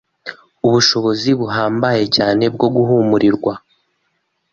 ubushobizi buhambaye cyane bwo guhumurirwa